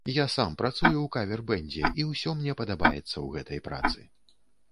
Я сам працую ў кавер-бэндзе, і ўсё мне падабаецца ў гэтай працы.